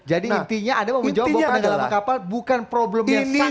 jadi intinya anda mau menjawab bahwa penenggelaman kapal bukan problem yang sangat penting